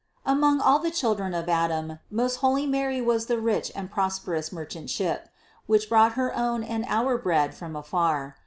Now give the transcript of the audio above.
780. Among all the children of Adam most holy Mary was the rich and prosperous merchant ship, which brought her own and our bread from afar.